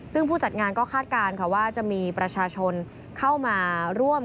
ซึ่งผู้จัดงานก็คาดการณ์ค่ะว่าจะมีประชาชนเข้ามาร่วม